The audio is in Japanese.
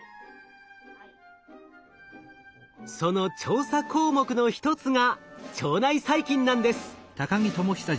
その調査項目の一つが腸内細菌なんです。